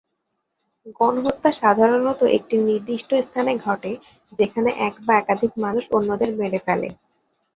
গণহত্যা সাধারণত একটি নির্দিষ্ট স্থানে ঘটে, যেখানে এক বা একাধিক মানুষ অন্যদের মেরে ফেলে।